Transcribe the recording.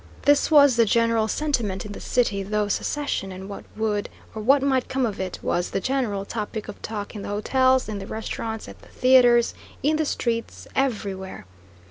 This was the general sentiment in the city; though secession, and what would, or what might come of it, was the general topic of talk in the hotels, in the restaurants, at the theatres, in the streets, everywhere.